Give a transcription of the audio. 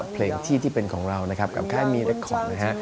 เพลงที่ที่เป็นของเรานะครับกับค่ายมีเล็กคอนนะฮะ